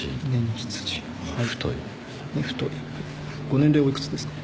ご年齢おいくつですか？